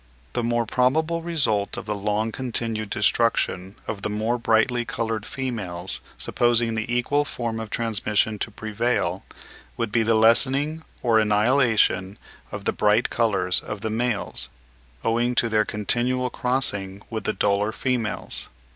The more probable result of the long continued destruction of the more brightly coloured females, supposing the equal form of transmission to prevail, would be the lessening or annihilation of the bright colours of the males, owing to their continual crossing with the duller females.